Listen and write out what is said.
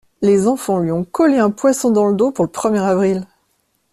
Les enfants lui ont collé un poisson dans le dos pour le premier avril.